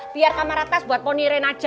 biar kamar atas buat poni rein aja